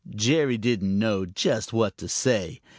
Jerry didn't know just what to say.